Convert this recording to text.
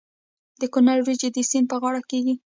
د کونړ وریجې د سیند په غاړه کیږي.